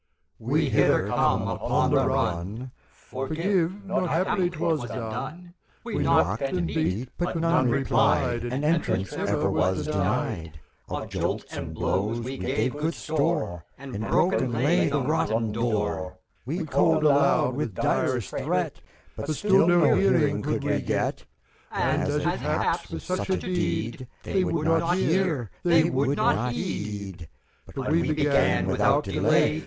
MEPHISTOPHELES AND THj: THREE (helow). We hither come upon the run! Forgive ! not happily 't was done. We knocked and beat, but none replied, And entrance ever was denied; Of jolts and blows we gave good store, And broken lay the rotten door ; We called aloud, with direst threat. But still no hearing could we get. And, as it haps, with such a deed, They would not hear, they would not heed; But we began, without delay.